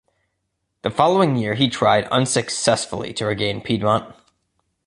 The following year he tried unsuccessfully to regain Piedmont.